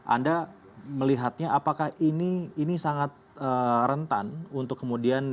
anda melihatnya apakah ini sangat rentan untuk kemudian